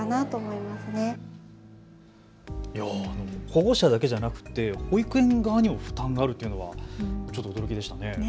保護者だけじゃなくて保育園側にも負担になるというのは驚きでしたね。